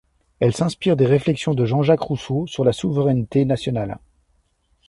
Elle s'inspire des réflexions de Jean-Jacques Rousseau sur la souveraineté nationale.